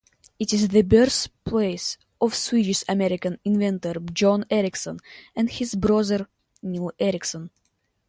It is the birthplace of Swedish-American inventor John Ericsson and his brother Nils Ericson.